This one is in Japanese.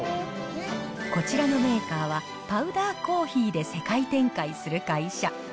こちらのメーカーは、パウダーコーヒーで世界展開する会社。